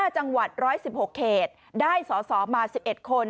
๕จังหวัด๑๑๖เขตได้สอสอมา๑๑คน